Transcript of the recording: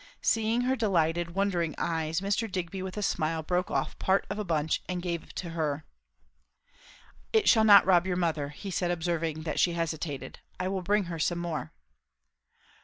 Seeing her delighted, wondering eyes, Mr. Digby with a smile broke off part of a bunch and gave to her. "It shall not rob your mother," he said observing that she hesitated. "I will bring her some more."